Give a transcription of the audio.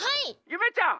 ゆめちゃん！